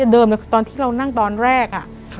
เดิมตอนที่เรานั่งตอนแรก